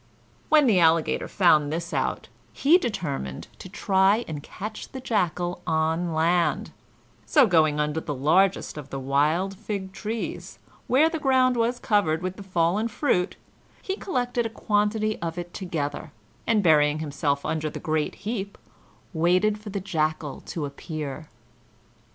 When the Alligator found this out, he determined to try and catch the Jackal on land; so, going under the largest of the wild fig trees, where the ground was covered with the fallen fruit, he collected a quantity of it together, and, burying himself under the great heap, waited for the Jackal to appear.